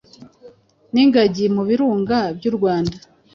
ningagi mu birunga byurwanda